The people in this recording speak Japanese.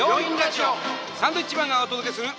サンドウィッチマンがお届けする。